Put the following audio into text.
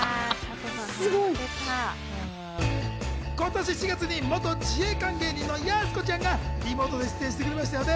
今年４月に元自衛官芸人のやす子ちゃんがリモートで出演してくれましたよね。